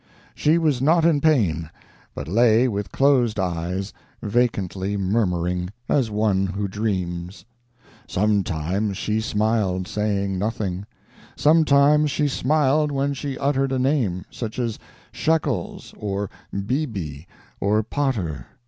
She was not in pain, but lay with closed eyes, vacantly murmuring, as one who dreams. Sometimes she smiled, saying nothing; sometimes she smiled when she uttered a name—such as Shekels, or BB, or Potter.